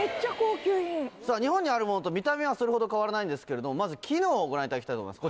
日本にあるものと見た目はそれほど変わらないんですけどまず機能をご覧いただきたいと思います